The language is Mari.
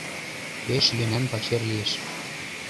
Пеш йӧнан пачер лиеш.